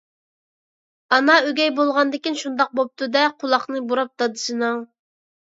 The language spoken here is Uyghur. ئانا ئۆگەي بولغاندىكىن شۇنداق بوپتۇ-دە، قۇلاقنى بۇراپ دادىسىنىڭ...